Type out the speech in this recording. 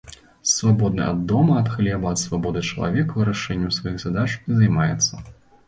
Свабодны ад дома, ад хлеба, ад свабоды чалавек вырашэннем сваіх задач і займаецца.